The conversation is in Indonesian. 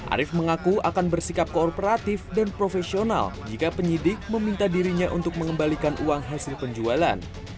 arief mengaku akan bersikap kooperatif dan profesional jika penyidik meminta dirinya untuk mengembalikan uang hasil penjualan